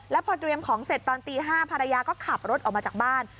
แล้วพอเตรียมของเสร็จตอนตี๕ภรรยาก็ขับรถออกมาจากบ้าน